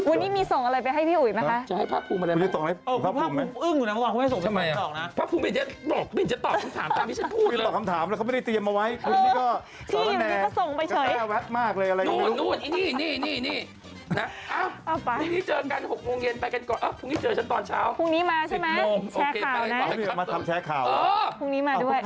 เอิ่มอยู่นั้นเมื่อก้อนไม่ได้ส่งไปช่วย